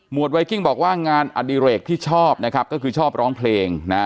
ไวกิ้งบอกว่างานอดิเรกที่ชอบนะครับก็คือชอบร้องเพลงนะ